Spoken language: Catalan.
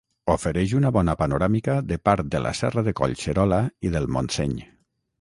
Ofereix una bona panoràmica de part de la serra de Collserola i del Montseny.